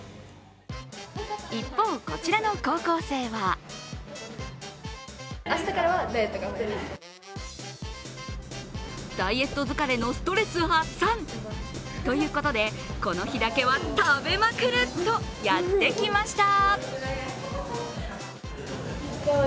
一方、こちらの高校生はダイエット疲れのストレス発散ということでこの日だけは食べまくるとやってきました。